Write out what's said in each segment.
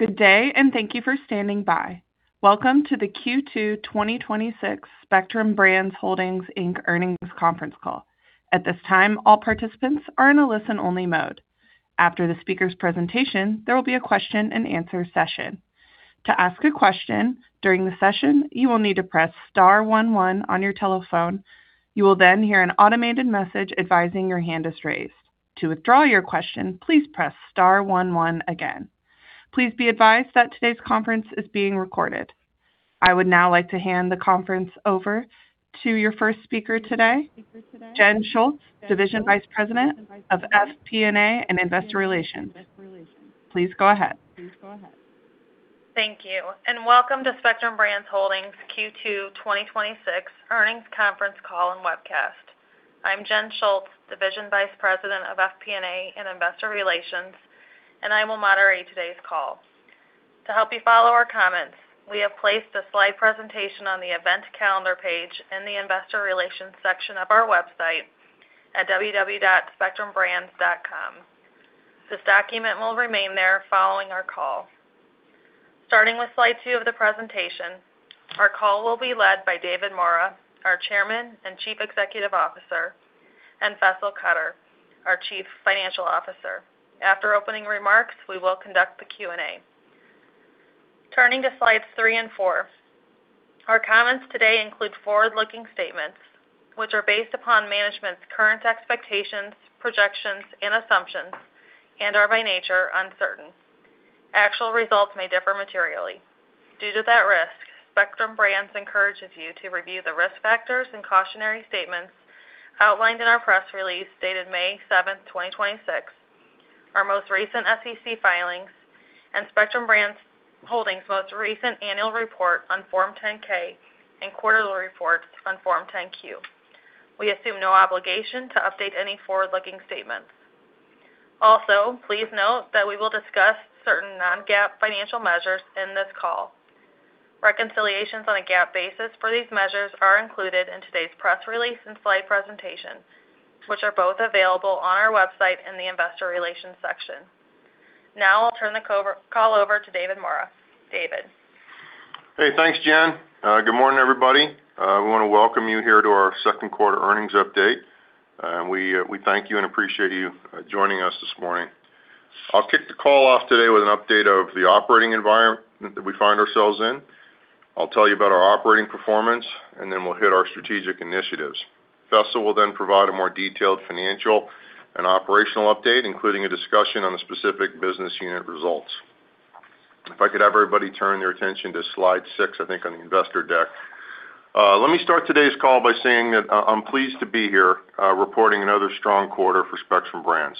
Good day. Thank you for standing by. Welcome to the Q2 2026 Spectrum Brands Holdings, Inc. earnings conference call. At this time, all participants are in a listen-only mode. After the speaker's presentation, there will be a question-and-answer session. To ask a question during the session, you will need to press star one one on your telephone. You will hear an automated message advising your hand is raised. To withdraw your question, please press star one one again. Please be advised that today's conference is being recorded. I would now like to hand the conference over to your first speaker today, Jen Schultz, Division Vice President of FP&A and Investor Relations. Please go ahead. Thank you, and welcome to Spectrum Brands Holdings Q2 2026 earnings conference call and webcast. I'm Jen Schultz, Division Vice President of FP&A and Investor Relations, and I will moderate today's call. To help you follow our comments, we have placed a slide presentation on the event calendar page in the investor relations section of our website at www.spectrumbrands.com. This document will remain there following our call. Starting with slide two of the presentation, our call will be led by David Maura, our Chairman and Chief Executive Officer, and Faisal Qadir, our Chief Financial Officer. After opening remarks, we will conduct the Q&A. Turning to slides three and four. Our comments today include forward-looking statements which are based upon management's current expectations, projections, and assumptions and are by nature uncertain. Actual results may differ materially. Due to that risk, Spectrum Brands encourages you to review the risk factors and cautionary statements outlined in our press release dated May 7th, 2026, our most recent SEC filings and Spectrum Brands Holdings' most recent annual report on Form 10-K and quarterly reports on Form 10-Q. We assume no obligation to update any forward-looking statements. Also, please note that we will discuss certain non-GAAP financial measures in this call. Reconciliations on a GAAP basis for these measures are included in today's press release and slide presentation, which are both available on our website in the investor relations section. Now I'll turn the call over to David Maura. David. Hey, thanks, Jen. Good morning, everybody. We wanna welcome you here to our second quarter earnings update. We thank you and appreciate you joining us this morning. I'll kick the call off today with an update of the operating environment that we find ourselves in. I'll tell you about our operating performance. Then we'll hit our strategic initiatives. Faisal will then provide a more detailed financial and operational update, including a discussion on the specific business unit results. If I could have everybody turn their attention to slide six, I think on the investor deck. Let me start today's call by saying that I'm pleased to be here, reporting another strong quarter for Spectrum Brands.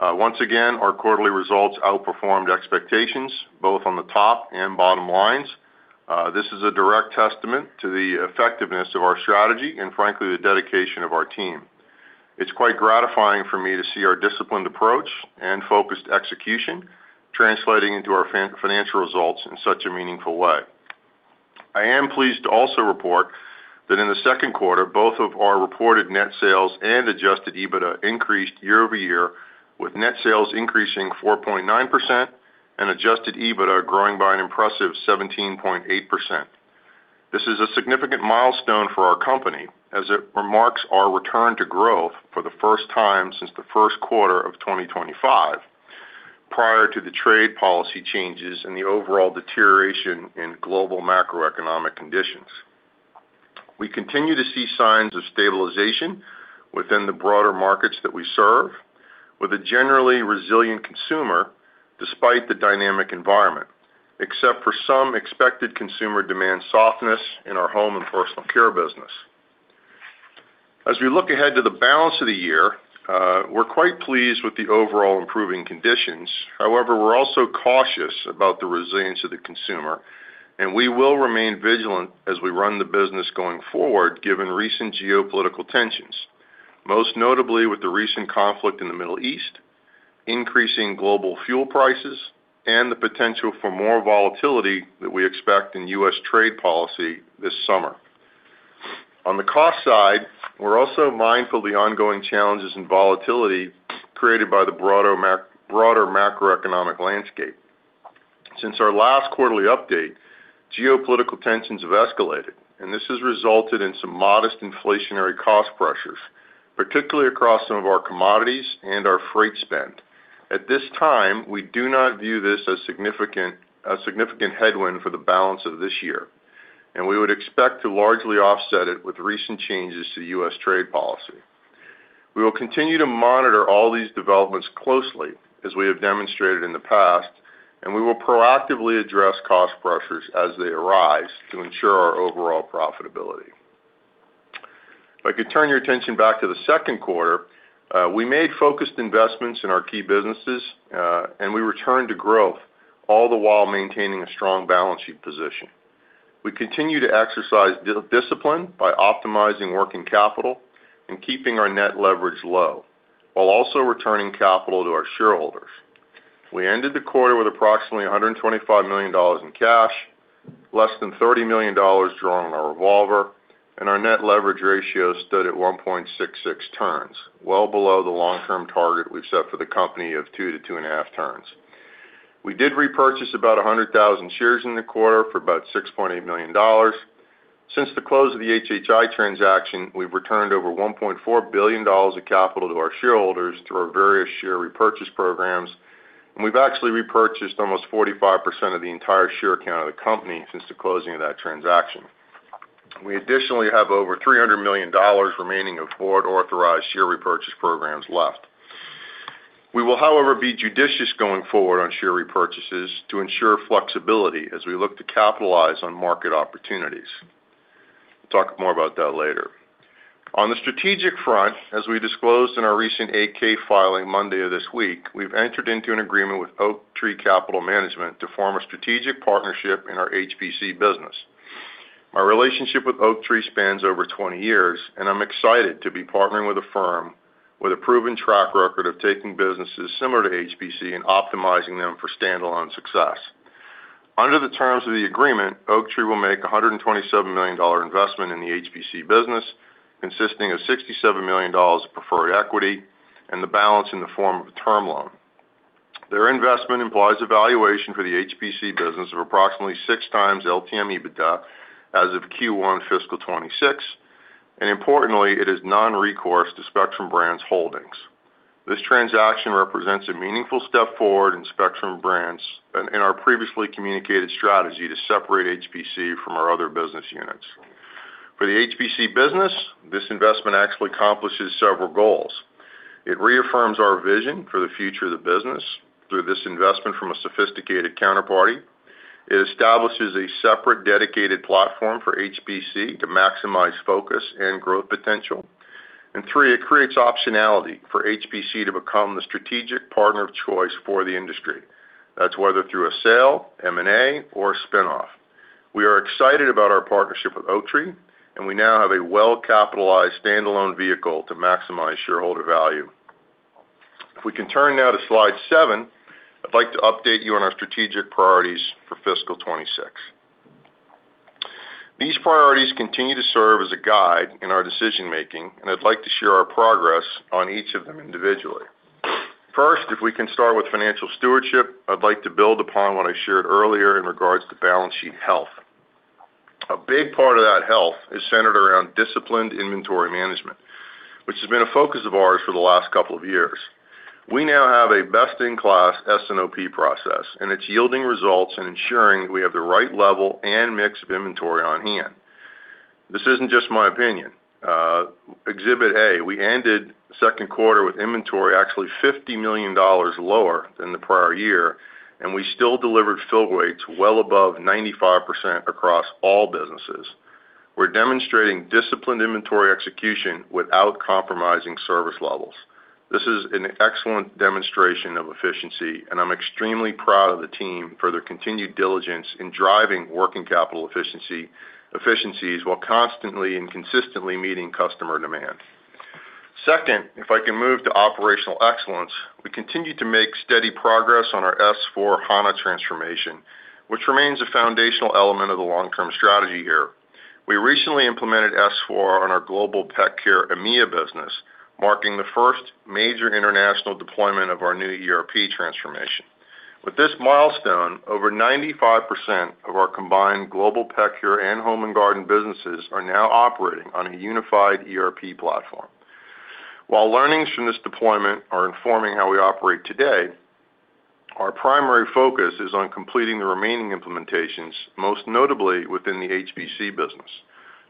Once again, our quarterly results outperformed expectations both on the top and bottom lines. This is a direct testament to the effectiveness of our strategy and frankly, the dedication of our team. It's quite gratifying for me to see our disciplined approach and focused execution translating into our financial results in such a meaningful way. I am pleased to also report that in the second quarter, both of our reported net sales and adjusted EBITDA increased year-over-year, with net sales increasing 4.9% and adjusted EBITDA growing by an impressive 17.8%. This is a significant milestone for our company as it marks our return to growth for the first time since the first quarter of 2025 prior to the trade policy changes and the overall deterioration in global macroeconomic conditions. We continue to see signs of stabilization within the broader markets that we serve with a generally resilient consumer despite the dynamic environment, except for some expected consumer demand softness in our Home & Personal Care business. As we look ahead to the balance of the year, we're quite pleased with the overall improving conditions. We're also cautious about the resilience of the consumer, and we will remain vigilant as we run the business going forward, given recent geopolitical tensions, most notably with the recent conflict in the Middle East, increasing global fuel prices, and the potential for more volatility that we expect in U.S. trade policy this summer. On the cost side, we're also mindful of the ongoing challenges and volatility created by the broader macroeconomic landscape. Since our last quarterly update, geopolitical tensions have escalated. This has resulted in some modest inflationary cost pressures, particularly across some of our commodities and our freight spend. At this time, we do not view this as a significant headwind for the balance of this year. We would expect to largely offset it with recent changes to U.S. trade policy. We will continue to monitor all these developments closely, as we have demonstrated in the past. We will proactively address cost pressures as they arise to ensure our overall profitability. If I could turn your attention back to the 2nd quarter, we made focused investments in our key businesses. We returned to growth, all the while maintaining a strong balance sheet position. We continue to exercise discipline by optimizing working capital and keeping our net leverage low while also returning capital to our shareholders. We ended the quarter with approximately $125 million in cash. Less than $30 million drawn on our revolver, and our net leverage ratio stood at 1.66 turns, well below the long-term target we've set for the company of 2-2.5 turns. We did repurchase about 100,000 shares in the quarter for about $6.8 million. Since the close of the HHI transaction, we've returned over $1.4 billion of capital to our shareholders through our various share repurchase programs, and we've actually repurchased almost 45% of the entire share count of the company since the closing of that transaction. We additionally have over $300 million remaining of board-authorized share repurchase programs left. We will, however, be judicious going forward on share repurchases to ensure flexibility as we look to capitalize on market opportunities. We'll talk more about that later. On the strategic front, as we disclosed in our recent 8-K filing Monday of this week, we've entered into an agreement with Oaktree Capital Management to form a strategic partnership in our HPC business. My relationship with Oaktree spans over 20 years. I'm excited to be partnering with a firm with a proven track record of taking businesses similar to HPC and optimizing them for standalone success. Under the terms of the agreement, Oaktree will make a $127 million investment in the HPC business, consisting of $67 million of preferred equity and the balance in the form of a term loan. Their investment implies a valuation for the HPC business of approximately 6x LTM EBITDA as of Q1 fiscal 2026. Importantly, it is non-recourse to Spectrum Brands Holdings. This transaction represents a meaningful step forward in Spectrum Brands and in our previously communicated strategy to separate HPC from our other business units. For the HPC business, this investment actually accomplishes several goals. It reaffirms our vision for the future of the business through this investment from a sophisticated counterparty. It establishes a separate dedicated platform for HPC to maximize focus and growth potential. Three, it creates optionality for HPC to become the strategic partner of choice for the industry. That's whether through a sale, M&A, or a spin-off. We are excited about our partnership with Oaktree. We now have a well-capitalized standalone vehicle to maximize shareholder value. If we can turn now to slide seven, I'd like to update you on our strategic priorities for fiscal 2026. These priorities continue to serve as a guide in our decision-making. I'd like to share our progress on each of them individually. First, if we can start with financial stewardship, I'd like to build upon what I shared earlier in regards to balance sheet health. A big part of that health is centered around disciplined inventory management, which has been a focus of ours for the last couple of years. We now have a best-in-class S&OP process. It's yielding results and ensuring that we have the right level and mix of inventory on hand. This isn't just my opinion. Exhibit A, we ended second quarter with inventory actually $50 million lower than the prior year, and we still delivered fill rates well above 95% across all businesses. We're demonstrating disciplined inventory execution without compromising service levels. This is an excellent demonstration of efficiency, and I'm extremely proud of the team for their continued diligence in driving working capital efficiency while constantly and consistently meeting customer demand. Second, if I can move to operational excellence, we continue to make steady progress on our S/4HANA transformation, which remains a foundational element of the long-term strategy here. We recently implemented S/4 on our Global Pet Care EMEA business, marking the first major international deployment of our new ERP transformation. With this milestone, over 95% of our combined Global Pet Care and Home & Garden businesses are now operating on a unified ERP platform. While learnings from this deployment are informing how we operate today, our primary focus is on completing the remaining implementations, most notably within the HPC business,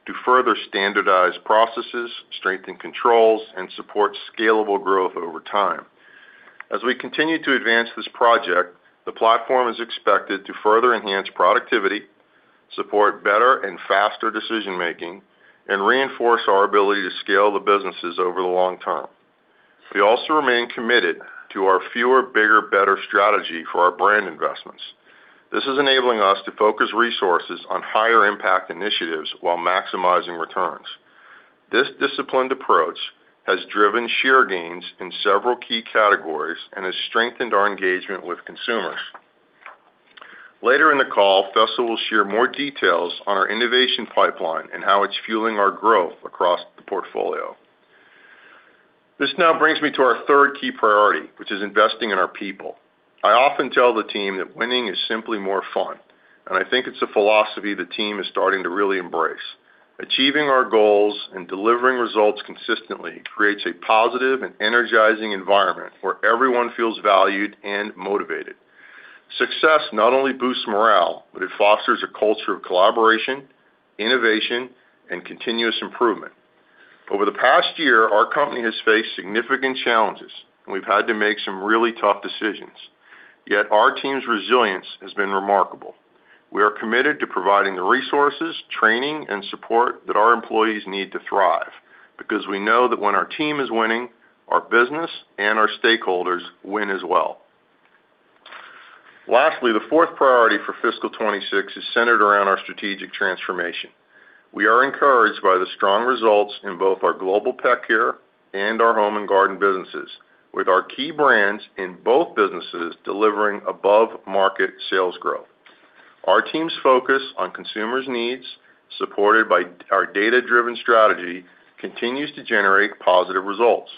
to further standardize processes, strengthen controls, and support scalable growth over time. As we continue to advance this project, the platform is expected to further enhance productivity, support better and faster decision-making, and reinforce our ability to scale the businesses over the long term. We also remain committed to our Fewer, Bigger, Better strategy for our brand investments. This is enabling us to focus resources on higher impact initiatives while maximizing returns. This disciplined approach has driven share gains in several key categories and has strengthened our engagement with consumers. Later in the call, Faisal will share more details on our innovation pipeline and how it's fueling our growth across the portfolio. This now brings me to our third key priority, which is investing in our people. I often tell the team that winning is simply more fun, and I think it's a philosophy the team is starting to really embrace. Achieving our goals and delivering results consistently creates a positive and energizing environment where everyone feels valued and motivated. Success not only boosts morale, but it fosters a culture of collaboration, innovation, and continuous improvement. Over the past year, our company has faced significant challenges, and we've had to make some really tough decisions. Yet our team's resilience has been remarkable. We are committed to providing the resources, training, and support that our employees need to thrive because we know that when our team is winning, our business and our stakeholders win as well. Lastly, the fourth priority for fiscal 2026 is centered around our strategic transformation. We are encouraged by the strong results in both our Global Pet Care and our Home & Garden businesses, with our key brands in both businesses delivering above-market sales growth. Our team's focus on consumers' needs, supported by our data-driven strategy, continues to generate positive results.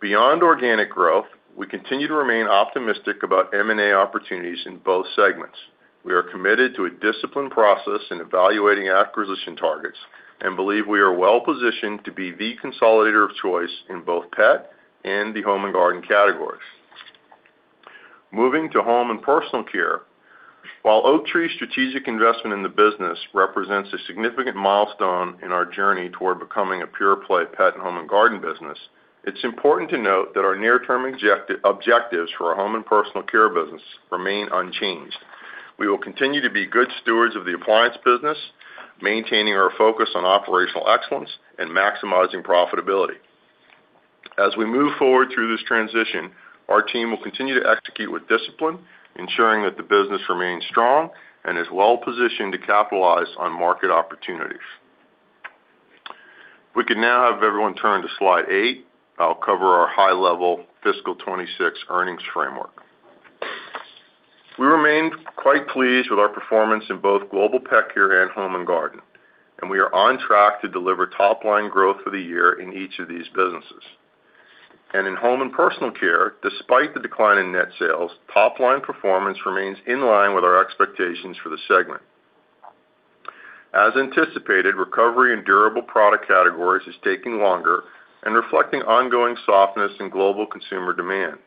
Beyond organic growth, we continue to remain optimistic about M&A opportunities in both segments. We are committed to a disciplined process in evaluating acquisition targets and believe we are well-positioned to be the consolidator of choice in both pet and the Home & Garden categories. Moving to Home & Personal Care, while Oaktree's strategic investment in the business represents a significant milestone in our journey toward becoming a pure-play pet and Home & Garden business, it's important to note that our near-term objectives for our Home & Personal Care business remain unchanged. We will continue to be good stewards of the appliance business, maintaining our focus on operational excellence and maximizing profitability. As we move forward through this transition, our team will continue to execute with discipline, ensuring that the business remains strong and is well-positioned to capitalize on market opportunities. We can now have everyone turn to slide eight. I'll cover our high-level fiscal 2026 earnings framework. We remain quite pleased with our performance in both Global Pet Care and Home & Garden, and we are on track to deliver top-line growth for the year in each of these businesses. In Home & Personal Care, despite the decline in net sales, top-line performance remains in line with our expectations for the segment. As anticipated, recovery in durable product categories is taking longer and reflecting ongoing softness in global consumer demand.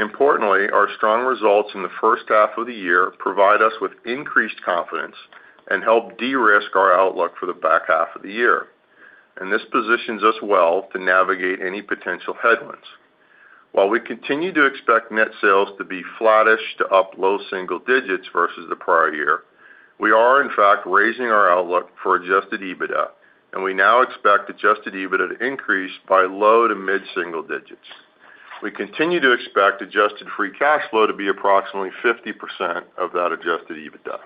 Importantly, our strong results in the first half of the year provide us with increased confidence and help de-risk our outlook for the back half of the year, this positions us well to navigate any potential headwinds. While we continue to expect net sales to be flattish to up low single digits versus the prior year, we are in fact raising our outlook for adjusted EBITDA, we now expect adjusted EBITDA to increase by low to mid-single digits. We continue to expect adjusted free cash flow to be approximately 50% of that adjusted EBITDA.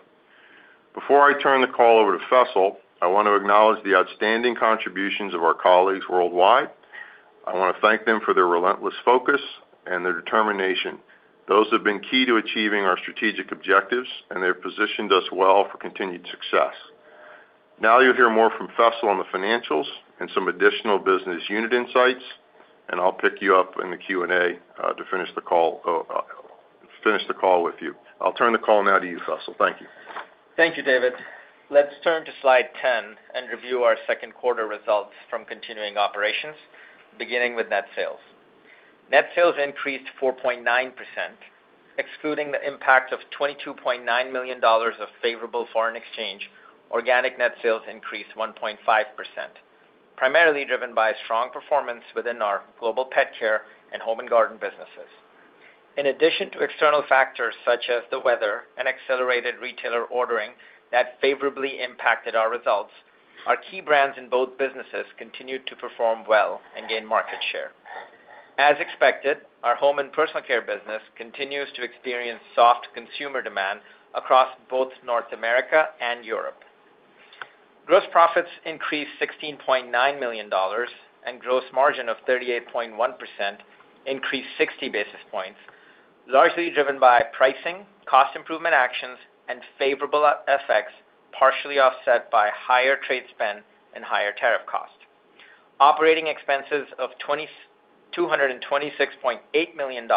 Before I turn the call over to Faisal, I want to acknowledge the outstanding contributions of our colleagues worldwide. I want to thank them for their relentless focus and their determination. Those have been key to achieving our strategic objectives, and they have positioned us well for continued success. You'll hear more from Faisal on the financials and some additional business unit insights, and I'll pick you up in the Q&A to finish the call with you. I'll turn the call now to you, Faisal. Thank you. Thank you, David. Let's turn to slide 10 and review our second quarter results from continuing operations, beginning with net sales. Net sales increased 4.9%, excluding the impact of $22.9 million of favorable foreign exchange. Organic net sales increased 1.5%, primarily driven by strong performance within our Global Pet Care and Home & Garden businesses. In addition to external factors such as the weather and accelerated retailer ordering that favorably impacted our results, our key brands in both businesses continued to perform well and gain market share. As expected, our Home & Personal Care business continues to experience soft consumer demand across both North America and Europe. Gross profits increased $16.9 million. Gross margin of 38.1% increased 60 basis points, largely driven by pricing, cost improvement actions, and favorable FX, partially offset by higher trade spend and higher tariff costs. Operating expenses of $226.8 million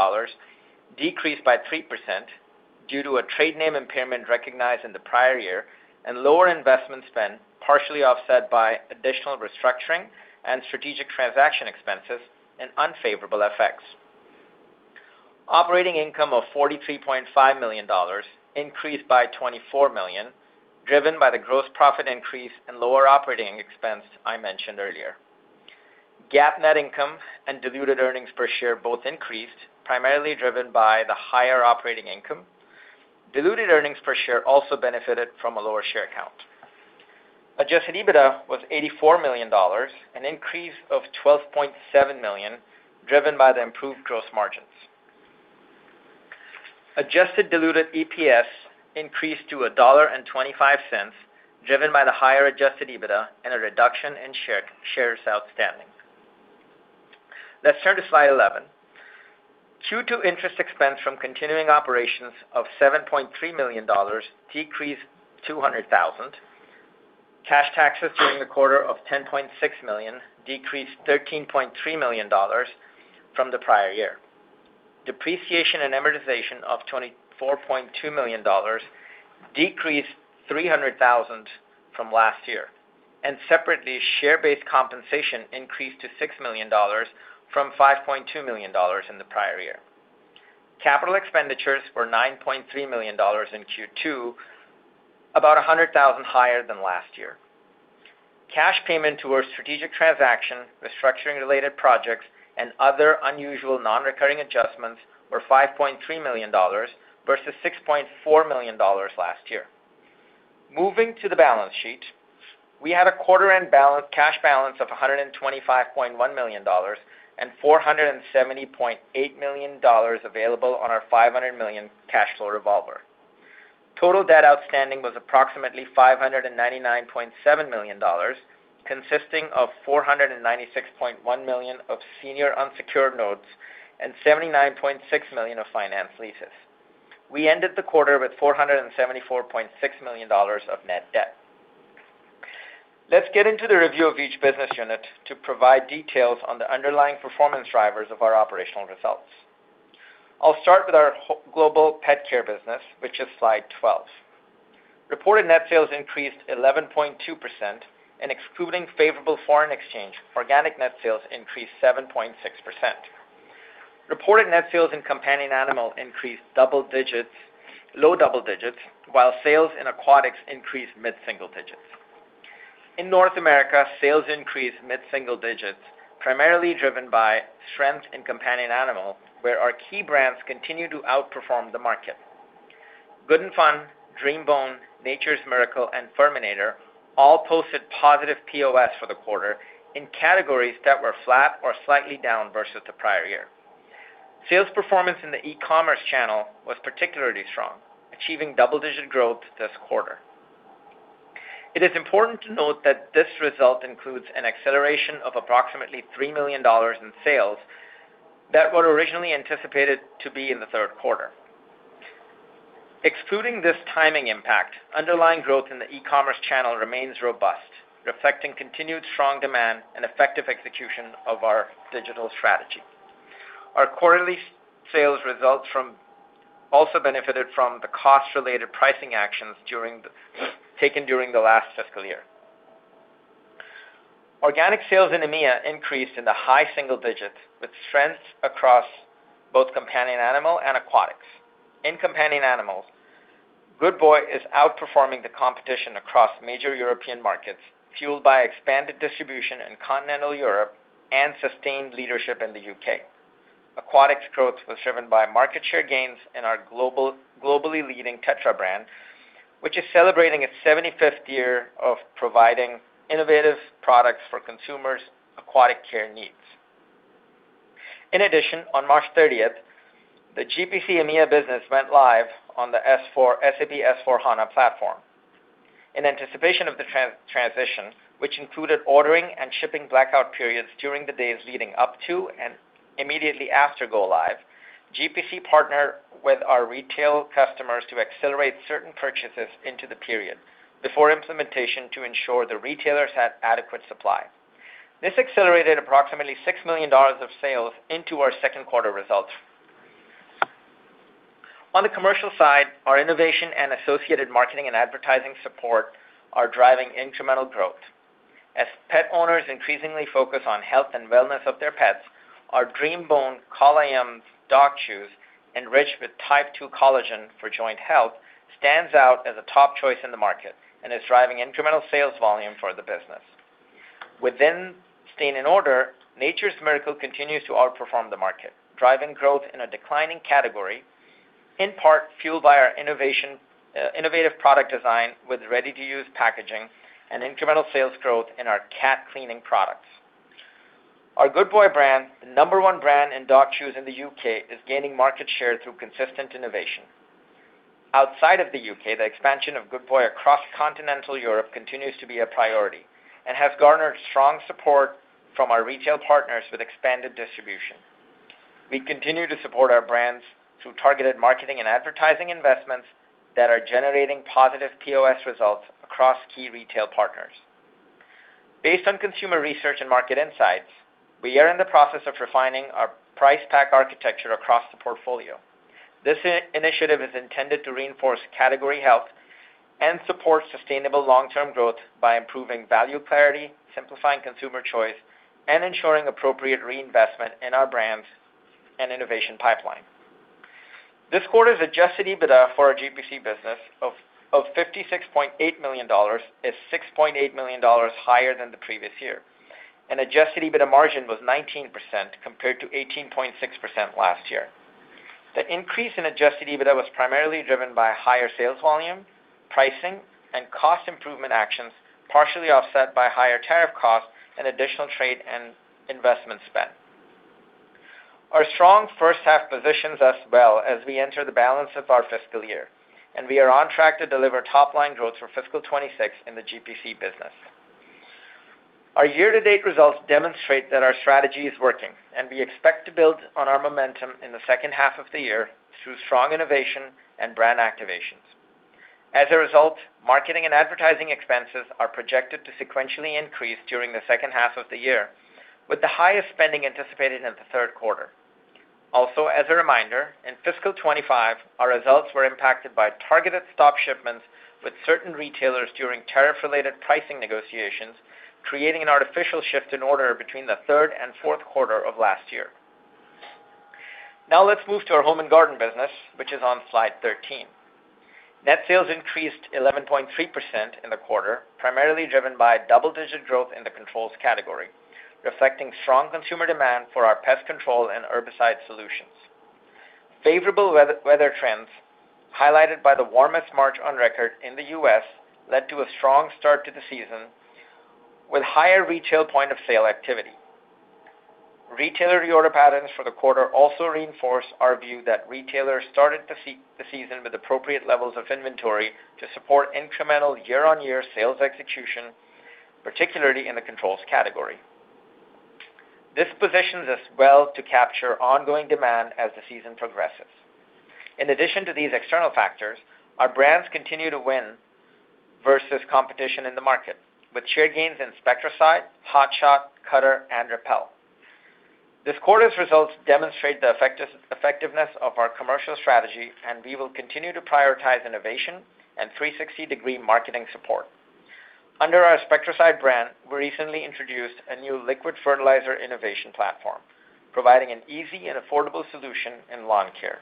decreased by 3% due to a trade name impairment recognized in the prior year and lower investment spend, partially offset by additional restructuring and strategic transaction expenses and unfavorable FX. Operating income of $43.5 million increased by $24 million, driven by the gross profit increase and lower operating expense I mentioned earlier. GAAP net income and diluted earnings per share both increased, primarily driven by the higher operating income. Diluted earnings per share also benefited from a lower share count. Adjusted EBITDA was $84 million, an increase of $12.7 million, driven by the improved gross margins. Adjusted diluted EPS increased to $1.25, driven by the higher adjusted EBITDA and a reduction in shares outstanding. Let's turn to slide 11. Q2 interest expense from continuing operations of $7.3 million decreased $200,000. Cash taxes during the quarter of $10.6 million decreased $13.3 million from the prior year. Depreciation and amortization of $24.2 million decreased $300,000 from last year. Separately, share-based compensation increased to $6 million from $5.2 million in the prior year. Capital expenditures were $9.3 million in Q2, about $100,000 higher than last year. Cash payment to our strategic transaction, restructuring-related projects, and other unusual non-recurring adjustments were $5.3 million versus $6.4 million last year. Moving to the balance sheet, we had a quarter-end cash balance of $125.1 million and $470.8 million available on our $500 million cash flow revolver. Total debt outstanding was approximately $599.7 million, consisting of $496.1 million of senior unsecured notes and $79.6 million of finance leases. We ended the quarter with $474.6 million of net debt. Let's get into the review of each business unit to provide details on the underlying performance drivers of our operational results. I'll start with our Global Pet Care business, which is slide 12. Reported net sales increased 11.2%. Excluding favorable foreign exchange, organic net sales increased 7.6%. Reported net sales in companion animal increased low double digits, while sales in aquatics increased mid-single digits. In North America, sales increased mid-single digits, primarily driven by strength in companion animal, where our key brands continue to outperform the market. Good 'n' Fun, DreamBone, Nature's Miracle, and FURminator all posted positive POS for the quarter in categories that were flat or slightly down versus the prior year. Sales performance in the e-commerce channel was particularly strong, achieving double-digit growth this quarter. It is important to note that this result includes an acceleration of approximately $3 million in sales that were originally anticipated to be in the third quarter. Excluding this timing impact, underlying growth in the e-commerce channel remains robust, reflecting continued strong demand and effective execution of our digital strategy. Our quarterly sales results also benefited from the cost-related pricing actions taken during the last fiscal year. Organic sales in EMEA increased in the high single digits with strengths across both companion animal and aquatics. In companion animals, Good Boy is outperforming the competition across major European markets, fueled by expanded distribution in continental Europe and sustained leadership in the U.K. Aquatics growth was driven by market share gains in our globally leading Tetra brand, which is celebrating its 75th year of providing innovative products for consumers' aquatic care needs. In addition, on March 30th, the GPC EMEA business went live on the SAP S/4HANA platform. In anticipation of the transition, which included ordering and shipping blackout periods during the days leading up to and immediately after go-live, GPC partnered with our retail customers to accelerate certain purchases into the period before implementation to ensure the retailers had adequate supply. This accelerated approximately $6 million of sales into our second quarter results. On the commercial side, our innovation and associated marketing and advertising support are driving incremental growth. As pet owners increasingly focus on health and wellness of their pets, our DreamBone CollaYUMS dog chews, enriched with type 2 collagen for joint health, stands out as a top choice in the market and is driving incremental sales volume for the business. Within stain and odor, Nature's Miracle continues to outperform the market, driving growth in a declining category, in part fueled by our innovative product design with ready-to-use packaging and incremental sales growth in our cat cleaning products. Our Good Boy brand, the number one brand in dog chews in the U.K., is gaining market share through consistent innovation. Outside of the U.K., the expansion of Good Boy across continental Europe continues to be a priority and has garnered strong support from our retail partners with expanded distribution. We continue to support our brands through targeted marketing and advertising investments that are generating positive POS results across key retail partners. Based on consumer research and market insights, we are in the process of refining our price pack architecture across the portfolio. This initiative is intended to reinforce category health and support sustainable long-term growth by improving value clarity, simplifying consumer choice, and ensuring appropriate reinvestment in our brands and innovation pipeline. This quarter's adjusted EBITDA for our GPC business of $56.8 million is $6.8 million higher than the previous year, and adjusted EBITDA margin was 19% compared to 18.6% last year. The increase in adjusted EBITDA was primarily driven by higher sales volume, pricing, and cost improvement actions, partially offset by higher tariff costs and additional trade and investment spend. Our strong first half positions us well as we enter the balance of our fiscal year, and we are on track to deliver top-line growth for fiscal 2026 in the GPC business. Our year-to-date results demonstrate that our strategy is working, and we expect to build on our momentum in the second half of the year through strong innovation and brand activations. As a result, marketing and advertising expenses are projected to sequentially increase during the second half of the year, with the highest spending anticipated in the third quarter. Also, as a reminder, in fiscal 2025, our results were impacted by targeted stop shipments with certain retailers during tariff-related pricing negotiations, creating an artificial shift in order between the third and fourth quarter of last year. Now let's move to our Home & Garden business, which is on slide 13. Net sales increased 11.3% in the quarter, primarily driven by double-digit growth in the controls category, reflecting strong consumer demand for our pest control and herbicide solutions. Favorable weather trends, highlighted by the warmest March on record in the U.S., led to a strong start to the season with higher retail point of sale activity. Retailer reorder patterns for the quarter also reinforce our view that retailers started to see the season with appropriate levels of inventory to support incremental year-on-year sales execution, particularly in the controls category. This positions us well to capture ongoing demand as the season progresses. In addition to these external factors, our brands continue to win versus competition in the market, with share gains in Spectracide, Hot Shot, Cutter, and Repel. This quarter's results demonstrate the effectiveness of our commercial strategy, and we will continue to prioritize innovation and 360-degree marketing support. Under our Spectracide brand, we recently introduced a new liquid fertilizer innovation platform, providing an easy and affordable solution in lawn care.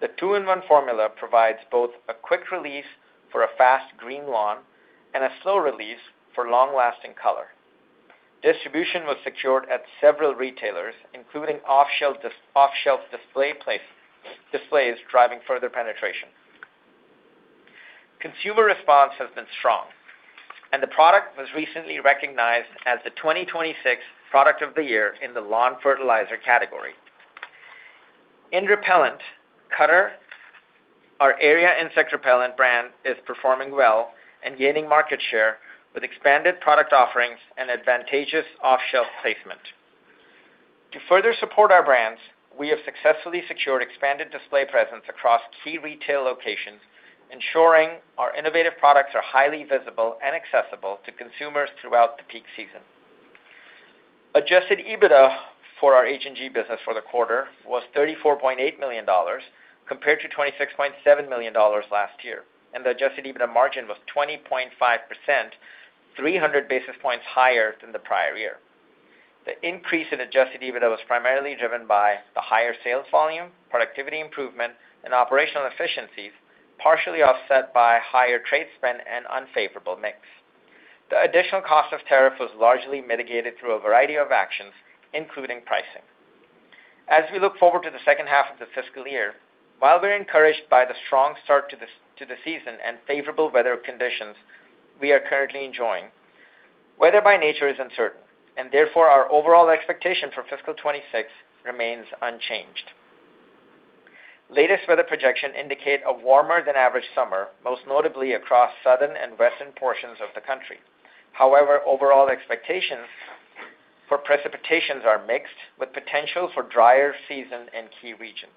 The two-in-one formula provides both a quick release for a fast green lawn and a slow release for long-lasting color. Distribution was secured at several retailers, including off-shelf, off-shelf displays driving further penetration. Consumer response has been strong. The product was recently recognized as the 2026 Product of the Year in the lawn fertilizer category. In repellent, Cutter, our area insect repellent brand, is performing well and gaining market share with expanded product offerings and advantageous off-shelf placement. To further support our brands, we have successfully secured expanded display presence across key retail locations, ensuring our innovative products are highly visible and accessible to consumers throughout the peak season. Adjusted EBITDA for our H&G business for the quarter was $34.8 million compared to $26.7 million last year, and the adjusted EBITDA margin was 20.5%, 300 basis points higher than the prior year. The increase in adjusted EBITDA was primarily driven by the higher sales volume, productivity improvement, and operational efficiencies, partially offset by higher trade spend and unfavorable mix. The additional cost of tariff was largely mitigated through a variety of actions, including pricing. As we look forward to the second half of the fiscal year, while we're encouraged by the strong start to the season and favorable weather conditions we are currently enjoying, weather by nature is uncertain, and therefore, our overall expectation for fiscal 2026 remains unchanged. Latest weather projection indicate a warmer than average summer, most notably across southern and western portions of the country. However, overall expectations for precipitation are mixed, with potential for drier season in key regions.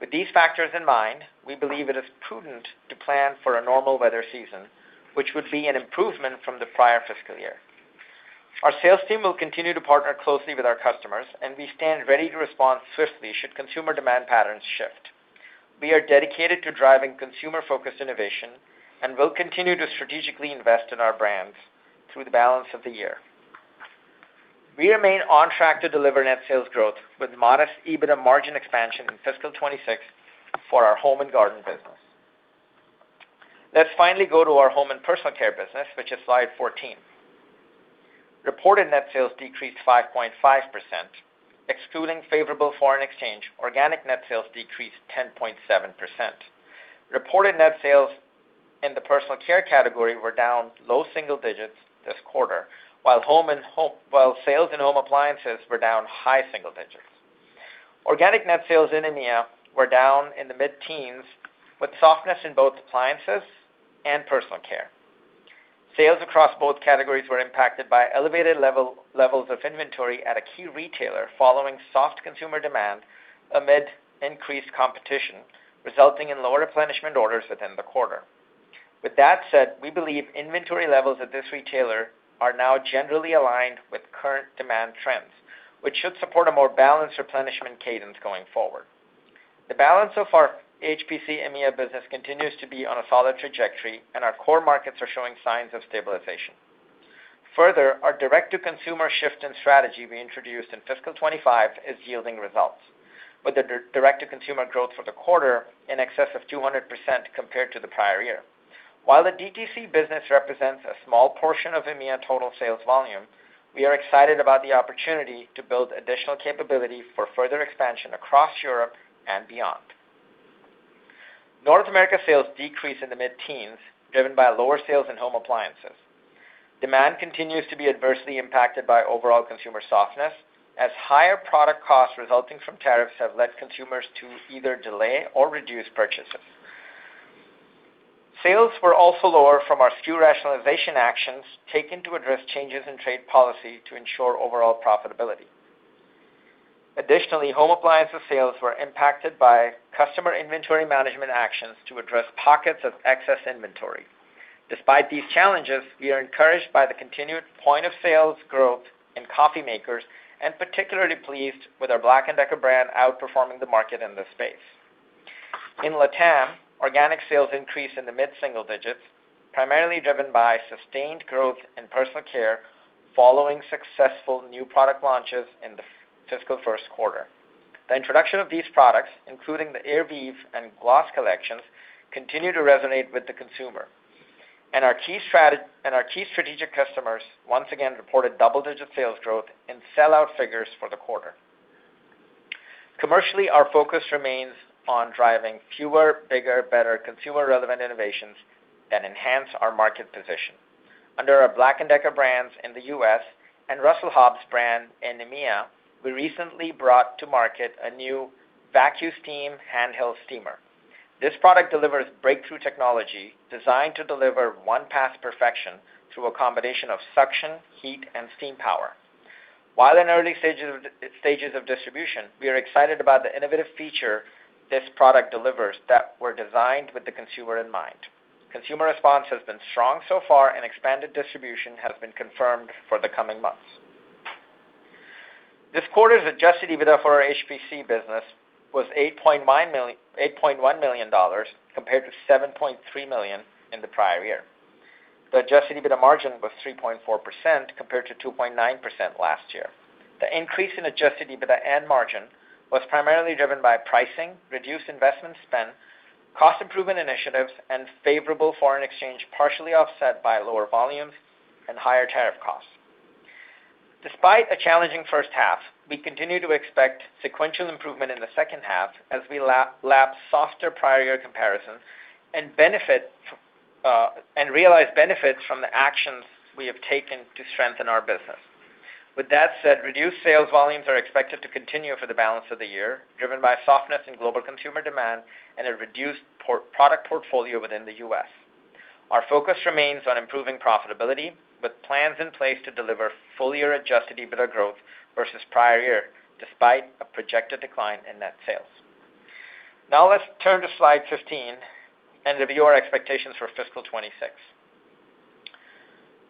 With these factors in mind, we believe it is prudent to plan for a normal weather season, which would be an improvement from the prior fiscal year. Our sales team will continue to partner closely with our customers, and we stand ready to respond swiftly should consumer demand patterns shift. We are dedicated to driving consumer-focused innovation and will continue to strategically invest in our brands through the balance of the year. We remain on track to deliver net sales growth with modest EBITDA margin expansion in fiscal 2026 for our Home & Garden business. Let's finally go to our Home & Personal Care business, which is slide 14. Reported net sales decreased 5.5%. Excluding favorable foreign exchange, organic net sales decreased 10.7%. Reported net sales in the personal care category were down low single digits this quarter, while sales in home appliances were down high single digits. Organic net sales in EMEA were down in the mid-teens, with softness in both appliances and personal care. Sales across both categories were impacted by elevated levels of inventory at a key retailer following soft consumer demand amid increased competition, resulting in lower replenishment orders within the quarter. With that said, we believe inventory levels at this retailer are now generally aligned with current demand trends, which should support a more balanced replenishment cadence going forward. The balance of our HPC EMEA business continues to be on a solid trajectory, and our core markets are showing signs of stabilization. Further, our direct-to-consumer shift in strategy we introduced in fiscal 2025 is yielding results, with the direct-to-consumer growth for the quarter in excess of 200% compared to the prior year. While the DTC business represents a small portion of EMEA total sales volume, we are excited about the opportunity to build additional capability for further expansion across Europe and beyond. North America sales decreased in the mid-teens, driven by lower sales in home appliances. Demand continues to be adversely impacted by overall consumer softness, as higher product costs resulting from tariffs have led consumers to either delay or reduce purchases. Sales were also lower from our SKU rationalization actions taken to address changes in trade policy to ensure overall profitability. Additionally, home appliances sales were impacted by customer inventory management actions to address pockets of excess inventory. Despite these challenges, we are encouraged by the continued point of sales growth in coffee makers and particularly pleased with our Black+Decker brand outperforming the market in this space. In LATAM, organic sales increased in the mid-single digits, primarily driven by sustained growth in personal care following successful new product launches in the fiscal first quarter. The introduction of these products, including the AIRvive and Gloss collections, continue to resonate with the consumer. Our key strategic customers once again reported double-digit sales growth in sell-out figures for the quarter. Commercially, our focus remains on driving Fewer, Bigger, Better consumer-relevant innovations that enhance our market position. Under our Black+Decker brands in the U.S. and Russell Hobbs brand in EMEA, we recently brought to market a new VacuSteam handheld steamer. This product delivers breakthrough technology designed to deliver one-pass perfection through a combination of suction, heat, and steam power. While in early stages of distribution, we are excited about the innovative feature this product delivers that were designed with the consumer in mind. Consumer response has been strong so far, and expanded distribution has been confirmed for the coming months. This quarter's adjusted EBITDA for our HPC business was $8.1 million compared to $7.3 million in the prior year. The adjusted EBITDA margin was 3.4% compared to 2.9% last year. The increase in adjusted EBITDA and margin was primarily driven by pricing, reduced investment spend, cost improvement initiatives, and favorable foreign exchange, partially offset by lower volumes and higher tariff costs. Despite a challenging first half, we continue to expect sequential improvement in the second half as we lap softer prior year comparisons and benefit and realize benefits from the actions we have taken to strengthen our business. With that said, reduced sales volumes are expected to continue for the balance of the year, driven by softness in global consumer demand and a reduced product portfolio within the U.S. Our focus remains on improving profitability with plans in place to deliver full-year adjusted EBITDA growth versus prior year, despite a projected decline in net sales. Now let's turn to slide 15 and review our expectations for fiscal 2026.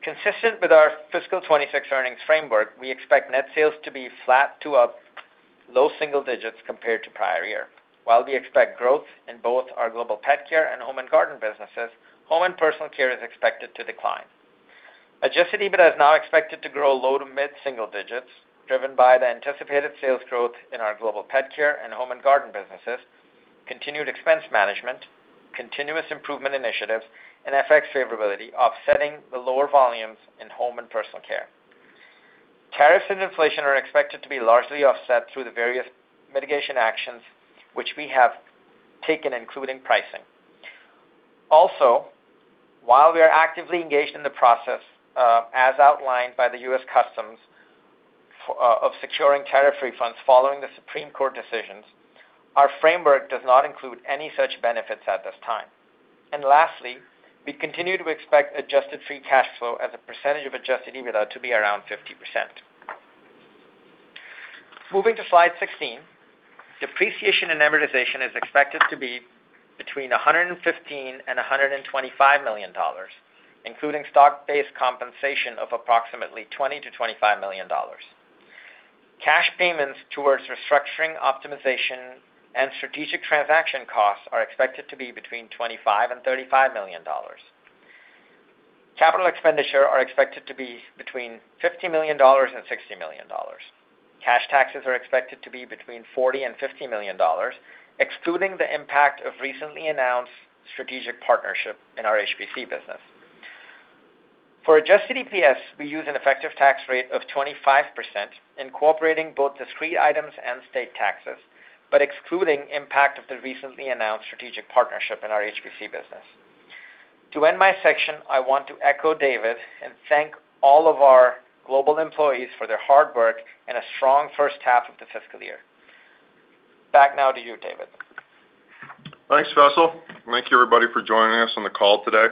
Consistent with our fiscal 2026 earnings framework, we expect net sales to be flat to up low single digits compared to prior year. While we expect growth in both our Global Pet Care and Home & Garden businesses, Home & Personal Care is expected to decline. Adjusted EBITDA is now expected to grow low to mid-single digits, driven by the anticipated sales growth in our Global Pet Care and Home & Garden businesses, continued expense management, continuous improvement initiatives, and FX favorability offsetting the lower volumes in Home & Personal Care. Tariffs and inflation are expected to be largely offset through the various mitigation actions which we have taken, including pricing. Also, while we are actively engaged in the process, as outlined by the U.S. Customs of securing tariff refunds following the Supreme Court decisions, our framework does not include any such benefits at this time. Lastly, we continue to expect adjusted free cash flow as a percentage of adjusted EBITDA to be around 50%. Moving to slide 16, depreciation and amortization is expected to be between $115 million and $125 million, including stock-based compensation of approximately $20 million-$25 million. Cash payments towards restructuring optimization and strategic transaction costs are expected to be between $25 million and $35 million. Capital expenditure are expected to be between $50 million and $60 million. Cash taxes are expected to be between $40 million and $50 million, excluding the impact of recently announced strategic partnership in our HPC business. For adjusted EPS, we use an effective tax rate of 25%, incorporating both discrete items and state taxes, but excluding impact of the recently announced strategic partnership in our HPC business. To end my section, I want to echo David and thank all of our global employees for their hard work and a strong first half of the fiscal year. Back now to you, David. Thanks, Faisal. Thank you, everybody, for joining us on the call today.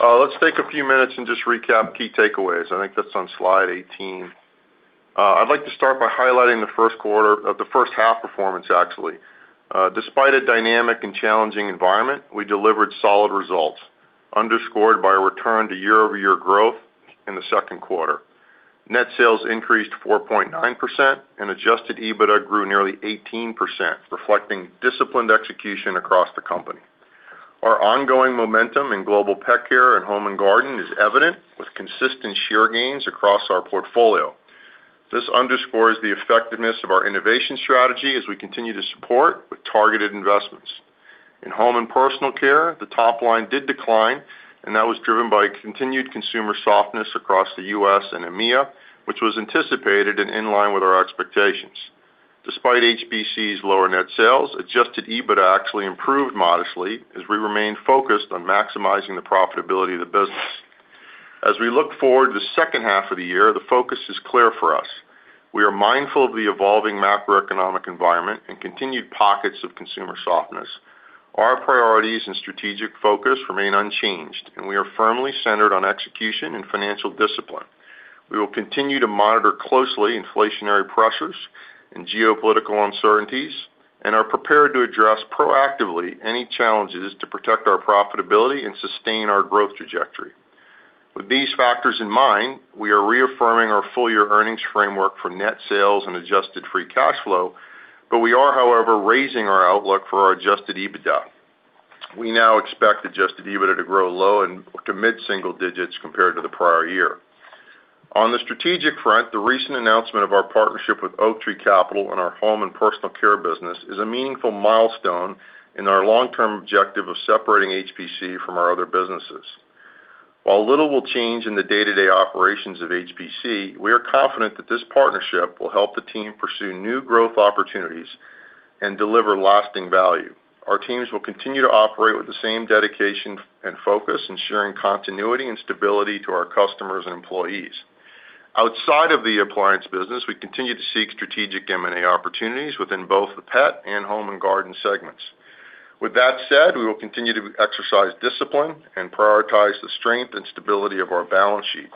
Let's take a few minutes and just recap key takeaways. I think that's on slide 18. I'd like to start by highlighting the first half performance, actually. Despite a dynamic and challenging environment, we delivered solid results, underscored by a return to year-over-year growth in the second quarter. Net sales increased 4.9%, and adjusted EBITDA grew nearly 18%, reflecting disciplined execution across the company. Our ongoing momentum in Global Pet Care and Home & Garden is evident, with consistent share gains across our portfolio. This underscores the effectiveness of our innovation strategy as we continue to support with targeted investments. In Home & Personal Care, the top line did decline, and that was driven by continued consumer softness across the U.S. and EMEA, which was anticipated and in line with our expectations. Despite HPC's lower net sales, adjusted EBITDA actually improved modestly as we remain focused on maximizing the profitability of the business. As we look forward to the second half of the year, the focus is clear for us. We are mindful of the evolving macroeconomic environment and continued pockets of consumer softness. Our priorities and strategic focus remain unchanged, and we are firmly centered on execution and financial discipline. We will continue to monitor closely inflationary pressures and geopolitical uncertainties and are prepared to address proactively any challenges to protect our profitability and sustain our growth trajectory. With these factors in mind, we are reaffirming our full-year earnings framework for net sales and adjusted free cash flow, but we are, however, raising our outlook for our adjusted EBITDA. We now expect adjusted EBITDA to grow low and to mid-single digits compared to the prior year. On the strategic front, the recent announcement of our partnership with Oaktree Capital in our Home & Personal Care business is a meaningful milestone in our long-term objective of separating HPC from our other businesses. While little will change in the day-to-day operations of HPC, we are confident that this partnership will help the team pursue new growth opportunities and deliver lasting value. Our teams will continue to operate with the same dedication and focus, ensuring continuity and stability to our customers and employees. Outside of the appliance business, we continue to seek strategic M&A opportunities within both the pet and Home & Garden segments. With that said, we will continue to exercise discipline and prioritize the strength and stability of our balance sheet.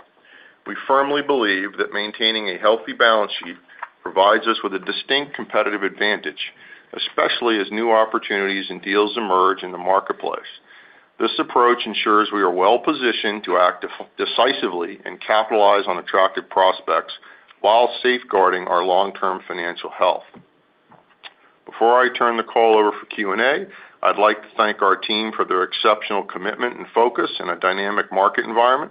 We firmly believe that maintaining a healthy balance sheet provides us with a distinct competitive advantage, especially as new opportunities and deals emerge in the marketplace. This approach ensures we are well-positioned to act decisively and capitalize on attractive prospects while safeguarding our long-term financial health. Before I turn the call over for Q&A, I'd like to thank our team for their exceptional commitment and focus in a dynamic market environment.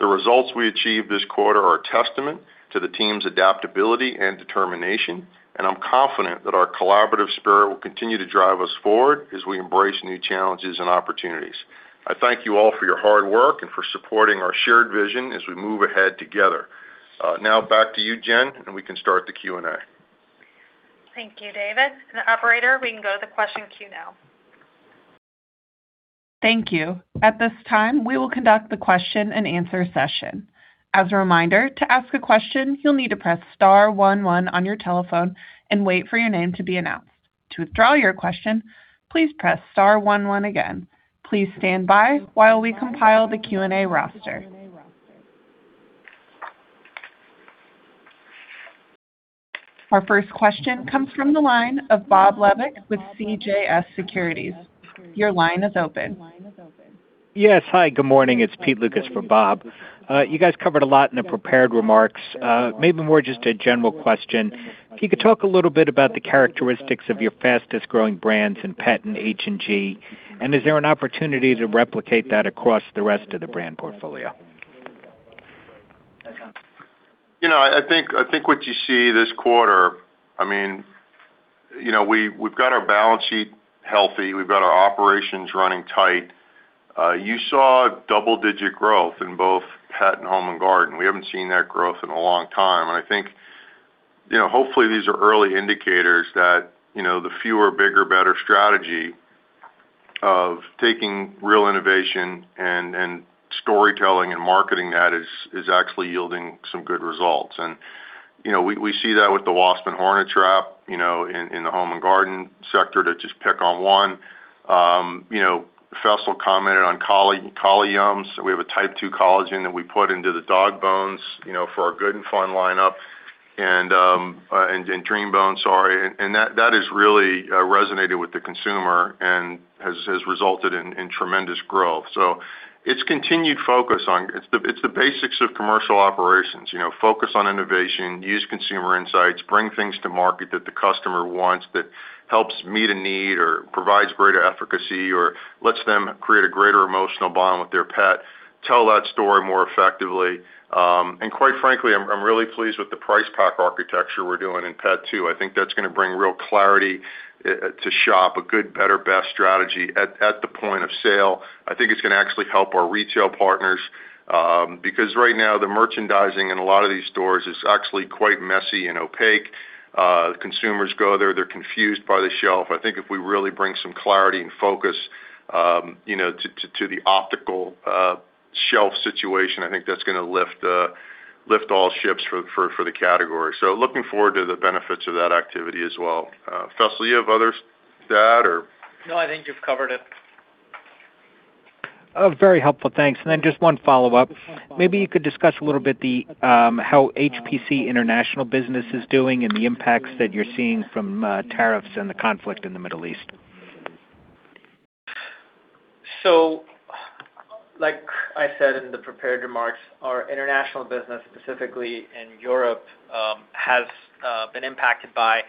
The results we achieved this quarter are a testament to the team's adaptability and determination, and I'm confident that our collaborative spirit will continue to drive us forward as we embrace new challenges and opportunities. I thank you all for your hard work and for supporting our shared vision as we move ahead together. Now back to you, Jen, and we can start the Q&A. Thank you, David. The operator, we can go to the question queue now. Thank you. At this time, we will conduct the question-and-answer session. As a reminder, to ask a question, you'll need to press star one one on your telephone and wait for your name to be announced. To withdraw your question, please press star one one again. Please stand by while we compile the Q&A roster. Our first question comes from the line of Bob Labick with CJS Securities. Your line is open. Yes. Hi, good morning. It's Peter Lukas for Bob. You guys covered a lot in the prepared remarks. Maybe more just a general question. If you could talk a little bit about the characteristics of your fastest-growing brands in pet and H&G. Is there an opportunity to replicate that across the rest of the brand portfolio? You know, I think what you see this quarter, I mean, you know, we've got our balance sheet healthy. We've got our operations running tight. You saw double-digit growth in both pet and Home & Garden. We haven't seen that growth in a long time. I think, you know, hopefully, these are early indicators that, you know, the fewer, bigger, better strategy of taking real innovation and storytelling and marketing that is actually yielding some good results. You know, we see that with the Wasp and Hornet Trap, you know, in the Home & Garden sector to just pick on one. You know, Faisal commented on collagen. So we have a type 2 collagen that we put into the dog bones, you know, for our Good 'n' Fun lineup, and DreamBone, sorry. That has really resonated with the consumer and has resulted in tremendous growth. It's continued focus on. It's the basics of commercial operations. You know, focus on innovation, use consumer insights, bring things to market that the customer wants that helps meet a need or provides greater efficacy or lets them create a greater emotional bond with their pet. Tell that story more effectively. Quite frankly, I'm really pleased with the price pack architecture we're doing in pet, too. I think that's gonna bring real clarity to shop, a good, better, best strategy at the point of sale. I think it's gonna actually help our retail partners, because right now the merchandising in a lot of these stores is actually quite messy and opaque. Consumers go there, they're confused by the shelf. I think if we really bring some clarity and focus, you know, to the optical shelf situation, I think that's gonna lift all ships for the category. Looking forward to the benefits of that activity as well. Faisal, you have others to that or? No, I think you've covered it. Very helpful. Thanks. Just one follow-up. Maybe you could discuss a little bit the how HPC international business is doing and the impacts that you're seeing from tariffs and the conflict in the Middle East. Like I said in the prepared remarks, our international business, specifically in Europe, has been impacted by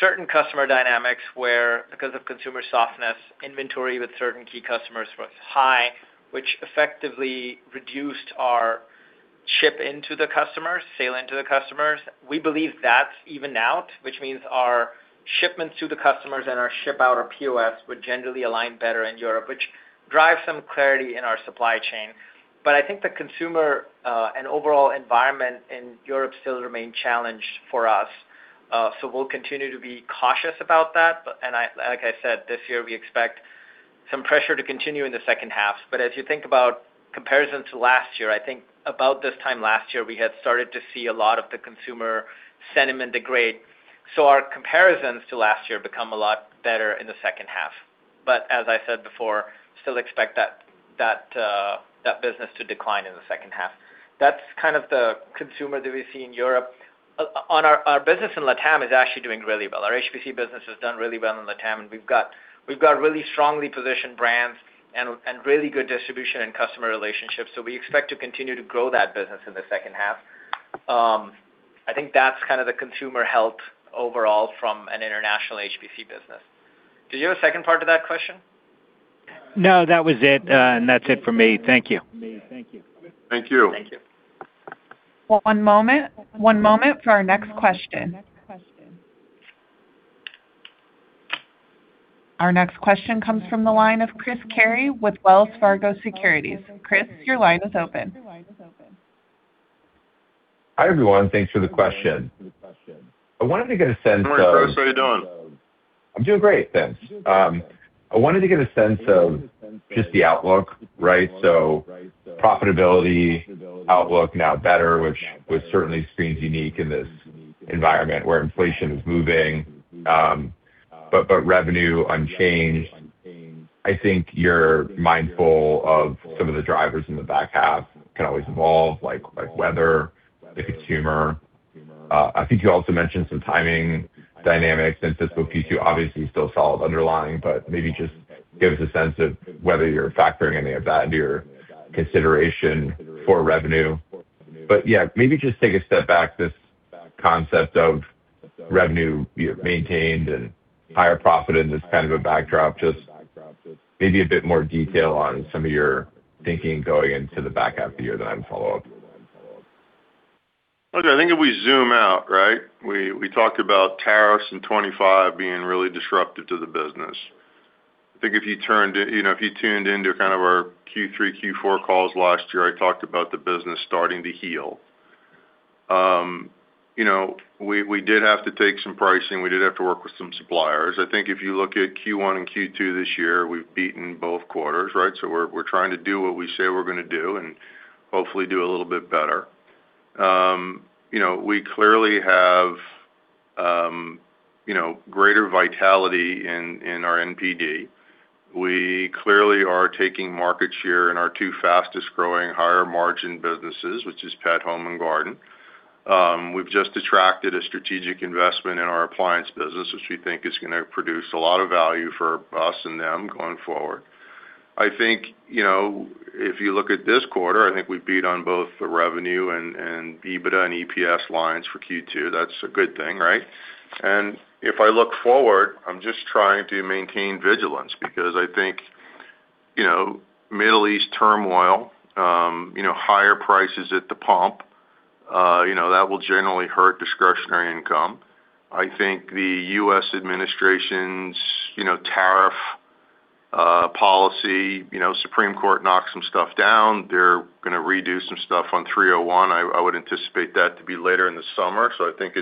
certain customer dynamics where because of consumer softness, inventory with certain key customers was high, which effectively reduced our ship into the customers, sale into the customers. We believe that's evened out, which means our shipments to the customers and our ship out or POS would generally align better in Europe, which drives some clarity in our supply chain. I think the consumer and overall environment in Europe still remain challenged for us. We'll continue to be cautious about that. Like I said, this year, we expect some pressure to continue in the second half. As you think about comparison to last year, I think about this time last year, we had started to see a lot of the consumer sentiment degrade. our comparisons to last year become a lot better in the second half. as I said before, still expect that business to decline in the second half. That's kind of the consumer that we see in Europe. Our business in LATAM is actually doing really well. Our HPC business has done really well in LATAM, and we've got really strongly positioned brands and really good distribution and customer relationships. we expect to continue to grow that business in the second half. I think that's kind of the consumer health overall from an international HPC business. Do you have a second part to that question? No, that was it. That's it for me. Thank you. Thank you. Thank you. One moment. One moment for our next question. Our next question comes from the line of Chris Carey with Wells Fargo Securities. Chris, your line is open. Hi, everyone. Thanks for the question. Good morning, Chris. How are you doing? I'm doing great, thanks. I wanted to get a sense of just the outlook, right? Profitability outlook now better, which was certainly screens unique in this environment where inflation is moving, but revenue unchanged. I think you're mindful of some of the drivers in the back half can always evolve, like weather, the consumer. I think you also mentioned some timing dynamics in fiscal Q2, obviously still solid underlying, but maybe just give us a sense of whether you're factoring any of that into your consideration for revenue. Yeah, maybe just take a step back, this concept of revenue be it maintained and higher profit in this kind of a backdrop, just maybe a bit more detail on some of your thinking going into the back half of the year, then follow up. I think if we zoom out, right? We talked about tariffs in 2025 being really disruptive to the business. I think if you tuned into kind of our Q3, Q4 calls last year, I talked about the business starting to heal. You know, we did have to take some pricing. We did have to work with some suppliers. I think if you look at Q1 and Q2 this year, we've beaten both quarters, right? We're trying to do what we say we're going to do and hopefully do a little bit better. You know, we clearly have, you know, greater vitality in our NPD. We clearly are taking market share in our two fastest-growing higher margin businesses, which is Global Pet Care and Home & Garden. We've just attracted a strategic investment in our appliance business, which we think is gonna produce a lot of value for us and them going forward. I think, you know, if you look at this quarter, I think we beat on both the revenue and EBITDA and EPS lines for Q2. That's a good thing, right? If I look forward, I'm just trying to maintain vigilance because I think, you know, Middle East turmoil, you know, higher prices at the pump, you know, that will generally hurt discretionary income. I think the U.S. administration's, you know, tariff policy, you know, Supreme Court knocked some stuff down. They're gonna redo some stuff on 301. I would anticipate that to be later in the summer. I think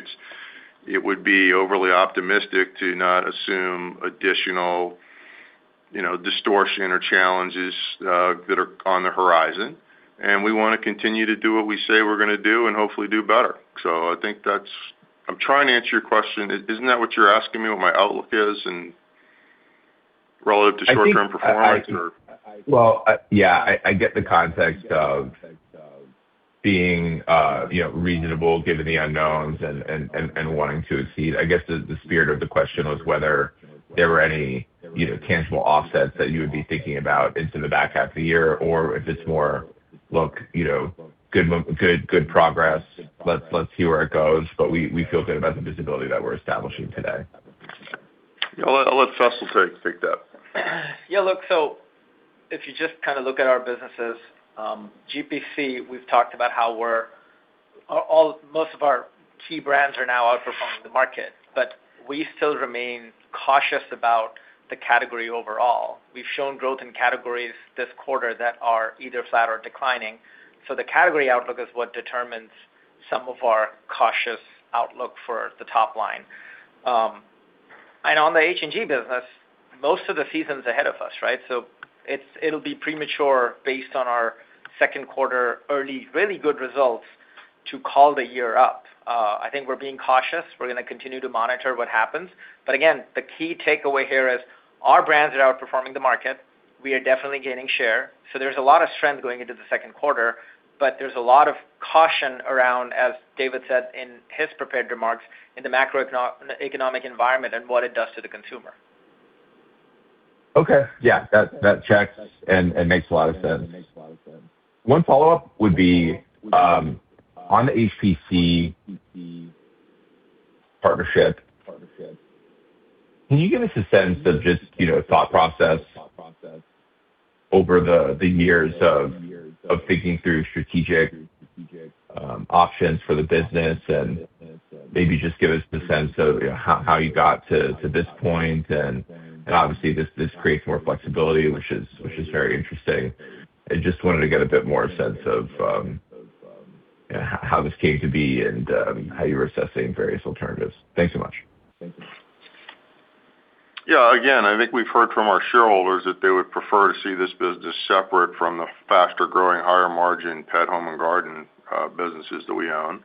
it would be overly optimistic to not assume additional, you know, distortion or challenges that are on the horizon. We wanna continue to do what we say we're gonna do and hopefully do better. I think that's I'm trying to answer your question. Isn't that what you're asking me, what my outlook is and relative to short-term performance or? Well, yeah, I get the context of being, you know, reasonable given the unknowns and wanting to exceed. I guess the spirit of the question was whether there were any, you know, tangible offsets that you would be thinking about into the back half of the year or if it's more, look, you know, good progress. Let's see where it goes, but we feel good about the visibility that we're establishing today. I'll let Faisal take that. Yeah, look, if you just kinda look at our businesses, GPC, we've talked about how we're most of our key brands are now outperforming the market, but we still remain cautious about the category overall. We've shown growth in categories this quarter that are either flat or declining. The category outlook is what determines some of our cautious outlook for the top line. And on the H&G business, most of the season's ahead of us, right? It'll be premature based on our second quarter early really good results to call the year up. I think we're being cautious. We're gonna continue to monitor what happens. Again, the key takeaway here is our brands are outperforming the market. We are definitely gaining share. There's a lot of strength going into the second quarter, but there's a lot of caution around, as David said in his prepared remarks, in the macro economic environment and what it does to the consumer. Okay. Yeah. That checks and makes a lot of sense. One follow-up would be on the HCC partnership, can you give us a sense of just, you know, thought process over the years of thinking through strategic options for the business, and maybe just give us the sense of how you got to this point. Obviously, this creates more flexibility, which is very interesting. I just wanted to get a bit more sense of, you know, how this came to be and how you were assessing various alternatives. Thanks so much. Yeah. Again, I think we've heard from our shareholders that they would prefer to see this business separate from the faster-growing, higher-margin Pet & Home & Garden businesses that we own.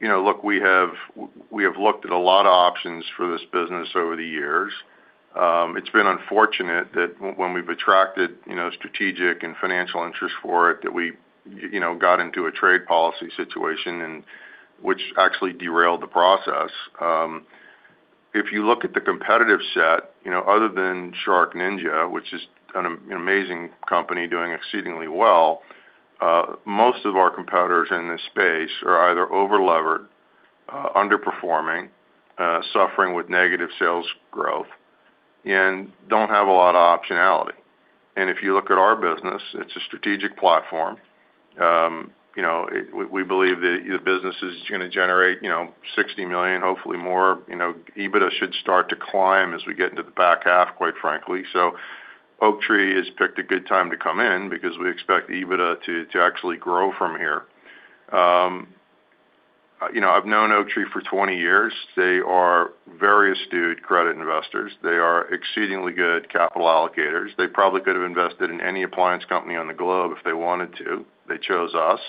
You know, look, we have looked at a lot of options for this business over the years. It's been unfortunate that when we've attracted, you know, strategic and financial interest for it, that we, you know, got into a trade policy situation and which actually derailed the process. If you look at the competitive set, you know, other than SharkNinja, which is an amazing company doing exceedingly well, most of our competitors in this space are either over-levered, underperforming, suffering with negative sales growth, and don't have a lot of optionality. If you look at our business, it's a strategic platform. You know, we believe that the business is gonna generate, you know, $60 million, hopefully more. You know, EBITDA should start to climb as we get into the back half, quite frankly. Oaktree has picked a good time to come in because we expect EBITDA to actually grow from here. You know, I've known Oaktree for 20 years. They are very astute credit investors. They are exceedingly good capital allocators. They probably could have invested in any appliance company on the globe if they wanted to. They chose us.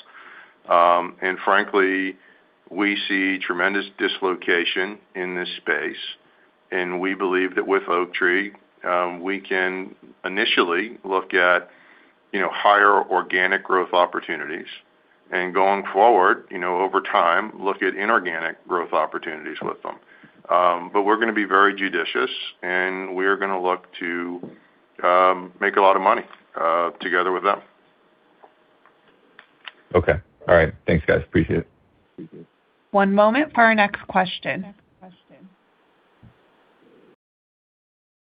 Frankly, we see tremendous dislocation in this space, and we believe that with Oaktree, we can initially look at, you know, higher organic growth opportunities and going forward, you know, over time, look at inorganic growth opportunities with them. We're gonna be very judicious, and we're gonna look to make a lot of money together with them. Okay. All right. Thanks, guys. Appreciate it. One moment for our next question.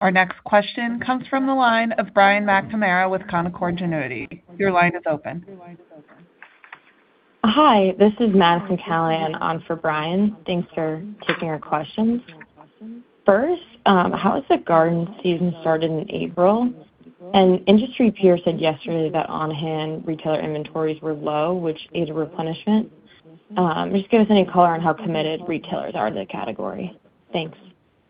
Our next question comes from the line of Brian McNamara with Canaccord Genuity. Your line is open. Hi, this is Madison Callinan on for Brian. Thanks for taking our questions. First, how has the garden season started in April? Industry peers said yesterday that on-hand retailer inventories were low, which is a replenishment. Just give us any color on how committed retailers are to the category. Thanks.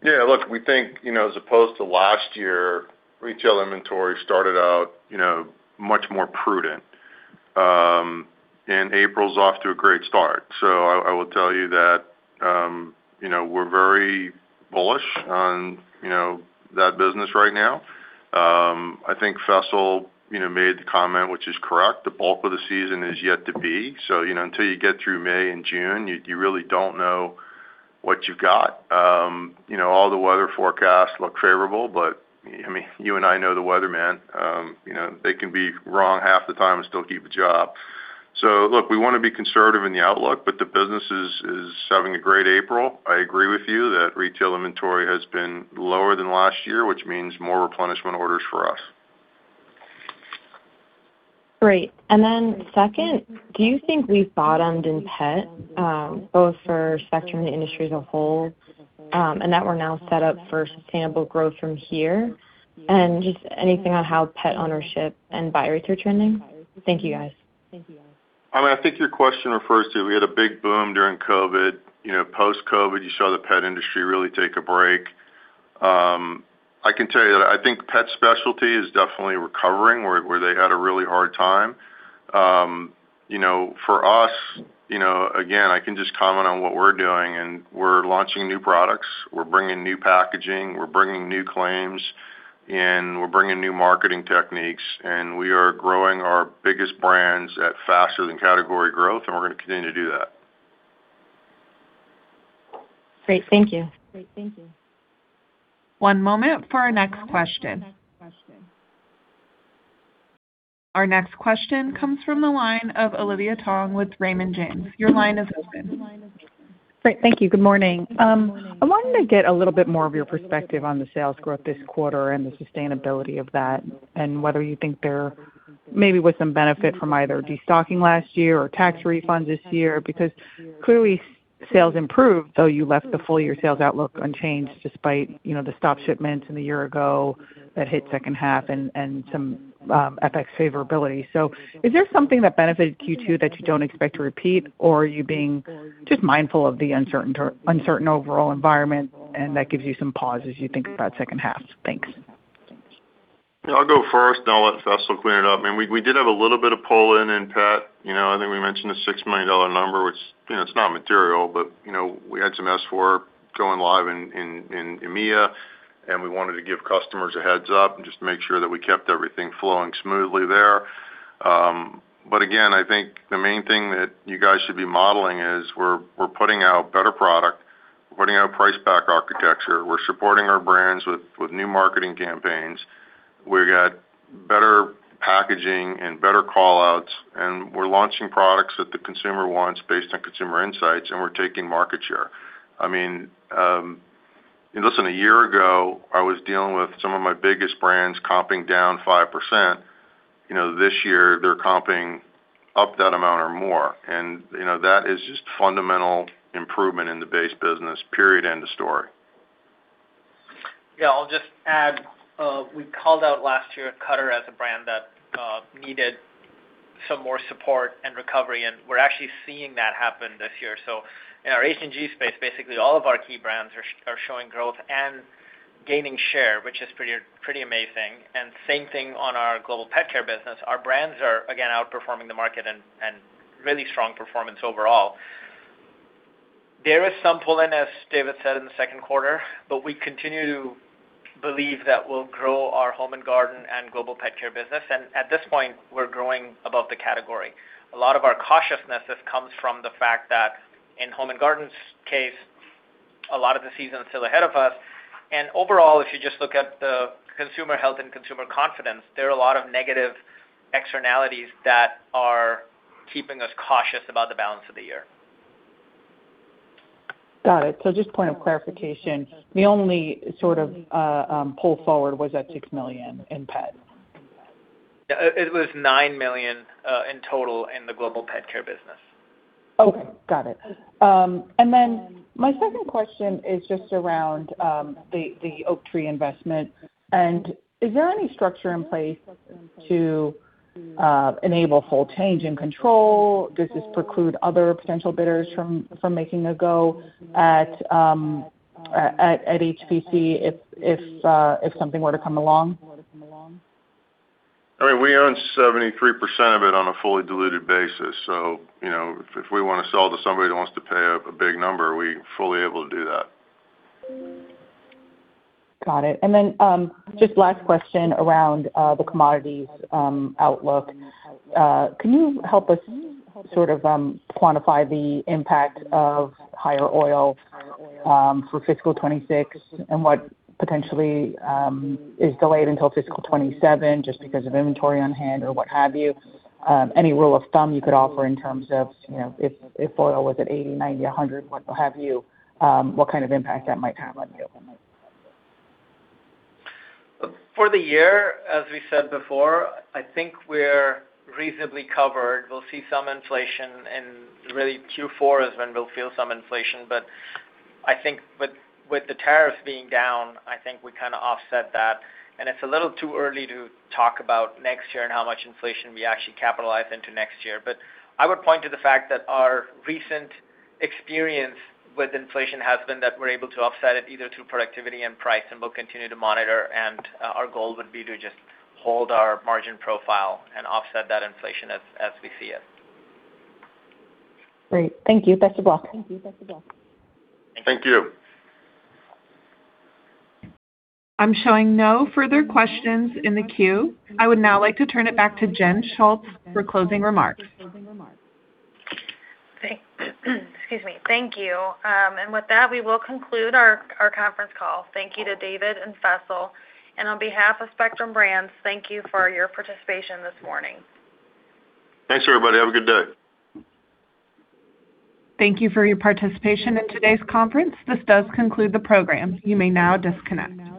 Yeah, look, we think, you know, as opposed to last year, retail inventory started out, you know, much more prudent. April's off to a great start. I will tell you that, you know, we're very bullish on, you know, that business right now. I think Faisal, you know, made the comment, which is correct. The bulk of the season is yet to be. You know, until you get through May and June, you really don't know what you got. You know, all the weather forecasts look favorable, but, I mean, you and I know the weatherman, you know, they can be wrong half the time and still keep a job. Look, we wanna be conservative in the outlook, but the business is having a great April. I agree with you that retail inventory has been lower than last year, which means more replenishment orders for us. Great. Second, do you think we've bottomed in pet, both for Spectrum and the industry as a whole, and that we're now set up for sustainable growth from here? Just anything on how pet ownership and buyer rates are trending. Thank you, guys. I mean, I think your question refers to we had a big boom during COVID. You know, post-COVID, you saw the pet industry really take a break. I can tell you that I think pet specialty is definitely recovering where they had a really hard time. You know, for us, you know, again, I can just comment on what we're doing, and we're launching new products. We're bringing new packaging. We're bringing new claims, and we're bringing new marketing techniques. We are growing our biggest brands at faster than category growth, and we're gonna continue to do that. Great. Thank you. One moment for our next question. Our next question comes from the line of Olivia Tong with Raymond James. Your line is open. Great. Thank you. Good morning. I wanted to get a little bit more of your perspective on the sales growth this quarter and the sustainability of that and whether you think there maybe was some benefit from either destocking last year or tax refunds this year because clearly sales improved, though you left the full-year sales outlook unchanged despite, you know, the stop shipments in the year ago that hit second half and some FX favorability. Is there something that benefited Q2 that you don't expect to repeat, or are you being just mindful of the uncertain overall environment, and that gives you some pause as you think about second half? Thanks. Yeah, I'll go first, and I'll let Faisal clean it up. I mean, we did have a little bit of pull-in in pet. You know, I think we mentioned a $6 million number, which, you know, it's not material, but, you know, we had some S/4 going live in EMEA, and we wanted to give customers a heads-up and just make sure that we kept everything flowing smoothly there. Again, I think the main thing that you guys should be modeling is we're putting out better product. We're putting out a price pack architecture. We're supporting our brands with new marketing campaigns. We got better packaging and better callouts, and we're launching products that the consumer wants based on consumer insights, and we're taking market share. I mean, listen, a year ago, I was dealing with some of my biggest brands comping down 5%. You know, this year they're comping up that amount or more. You know, that is just fundamental improvement in the base business, period, end of story. Yeah, I'll just add, we called out last year Cutter as a brand that needed some more support and recovery. We're actually seeing that happen this year. In our H&G space, basically all of our key brands are showing growth and gaining share, which is pretty amazing. Same thing on our Global Pet Care business. Our brands are, again, outperforming the market and really strong performance overall. There is some pull-in, as David said, in the second quarter. We continue to believe that we'll grow our Home & Garden and Global Pet Care business. At this point, we're growing above the category. A lot of our cautiousness has comes from the fact that in Home & Garden's case, a lot of the season is still ahead of us. Overall, if you just look at the consumer health and consumer confidence, there are a lot of negative externalities that are keeping us cautious about the balance of the year. Got it. Just point of clarification, the only sort of pull forward was that $6 million in pet? Yeah, it was $9 million in total in the Global Pet Care business. Okay. Got it. Then my second question is just around the Oaktree investment. Is there any structure in place to enable full change in control? Does this preclude other potential bidders from making a go at HPC if something were to come along? I mean, we own 73% of it on a fully diluted basis. You know, if we wanna sell to somebody that wants to pay a big number, we're fully able to do that. Got it. Just last question around the commodities outlook. Can you help us sort of quantify the impact of higher oil for fiscal 2026 and what potentially is delayed until fiscal 2027 just because of inventory on hand or what have you? Any rule of thumb you could offer in terms of, you know, if oil was at 80, 90, 100, what have you, what kind of impact that might have on you? For the year, as we said before, I think we're reasonably covered. We'll see some inflation. Really Q4 is when we'll feel some inflation. I think with the tariffs being down, I think we kinda offset that. It's a little too early to talk about next year and how much inflation we actually capitalize into next year. I would point to the fact that our recent experience with inflation has been that we're able to offset it either through productivity and price. We'll continue to monitor. Our goal would be to just hold our margin profile and offset that inflation as we see it. Great. Thank you. Best of luck. Thank you. I'm showing no further questions in the queue. I would now like to turn it back to Jen Schultz for closing remarks. Excuse me. Thank you. With that, we will conclude our conference call. Thank you to David and Faisal. On behalf of Spectrum Brands, thank you for your participation this morning. Thanks, everybody. Have a good day. Thank you for your participation in today's conference. This does conclude the program. You may now disconnect.